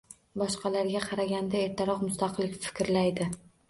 Boshqalarga qaraganda ertaroq mustaqil fikrlaydi.